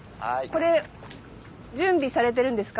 これ準備されてるんですか？